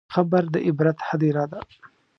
قبر د عبرت هدیره ده.